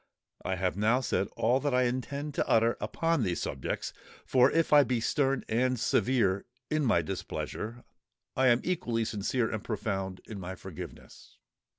I have now said all that I intend to utter upon these subjects; for if I be stern and severe in my displeasure, I am equally sincere and profound in my forgiveness."